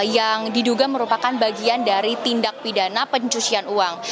yang diduga merupakan bagian dari tindak pidana pencucian uang